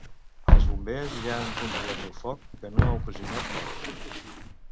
Els Bombers ja han controlat el foc, que no ha ocasionat morts.